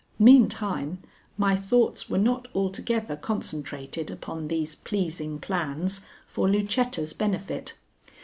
Meantime my thoughts were not altogether concentrated upon these pleasing plans for Lucetta's benefit.